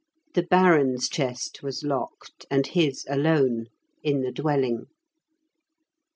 The Baron's chest was locked, and his alone, in the dwelling.